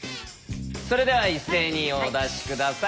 それでは一斉にお出し下さい。